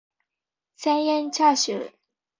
千円チャーシュー